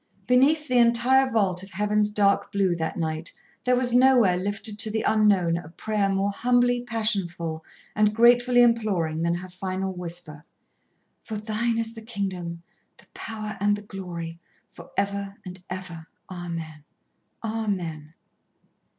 Beneath the entire vault of heaven's dark blue that night there was nowhere lifted to the Unknown a prayer more humbly passion full and gratefully imploring than her final whisper. "For Thine is the kingdom, the power, and the glory, for ever and ever. Amen, amen."